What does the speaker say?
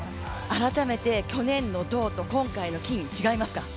改めて去年の銅と今回の金、違いますか？